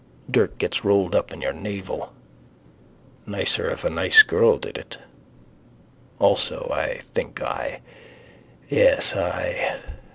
Dirt gets rolled up in your navel. Nicer if a nice girl did it. Also I think I. Yes I.